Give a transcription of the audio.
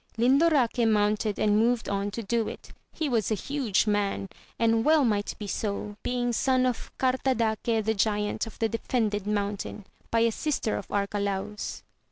Lindoraque mounted and moved on to do it : he was a huge man, and well might be so, being son of Gartadaque the giant of the defended mountain, by a sister of Arcalaus.